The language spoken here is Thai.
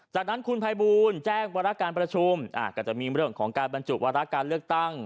จากนั้นคุณภัยบูลแจ้งวารการประชุมก็จะมีเรื่องของการบรรจุวาระการเลือกตั้ง